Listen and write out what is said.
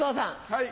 はい。